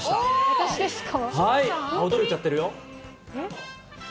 私ですか？